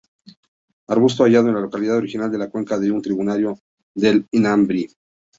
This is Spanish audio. Arbusto hallado de la localidad original en la cuenca de un tributario del Inambari.